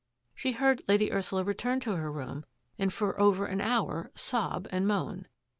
She heard Lady Ursula return to her room and for over an hour sob and moan.